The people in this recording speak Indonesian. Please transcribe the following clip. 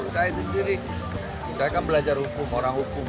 saya sendiri saya kan belajar hukum orang hukum